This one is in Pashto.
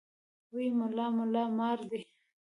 وې ملا ملا مار دی.